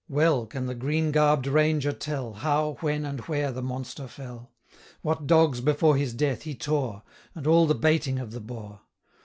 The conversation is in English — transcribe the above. Well can the green garb'd ranger tell, 60 How, when, and where, the monster fell; What dogs before his death he tore, And all the baiting of the boar.